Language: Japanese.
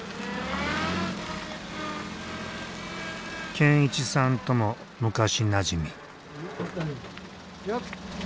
健一さんとも昔なじみ。